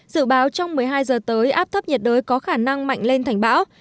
dự báo trong một mươi hai giờ tới áp thấp nhiệt đới có khả năng mạnh lên thành bão